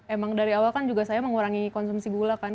emang dari awal kan juga saya mengurangi konsumsi gula kan